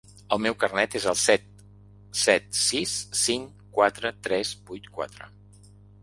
El meu carnet es el set set sis cinc quatre tres vuit quatre.